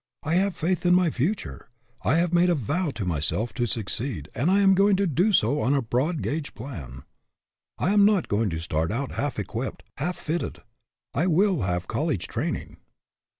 I have faith in my future. I have made a vow to myself to succeed, and I am going to do so on a broad gauge plan. I am not going to start out half equipped, half fitted. I will have a college training."